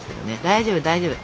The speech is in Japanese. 大丈夫大丈夫。